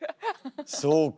そうか。